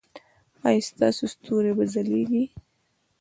ایا ستاسو ستوري به ځلیږي؟